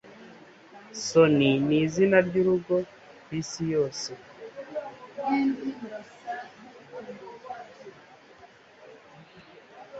Sony nizina ryurugo kwisi yose.